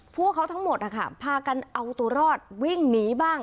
พวกเขาทั้งหมดนะคะพากันเอาตัวรอดวิ่งหนีบ้าง